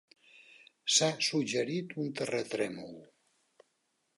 S'ha suggerit un terratrèmol.